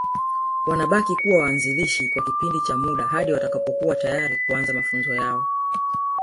Wanabaki kuwa waanzilishi kwa kipindi cha muda hadi watakapokuwa tayari kuanza mafunzo yao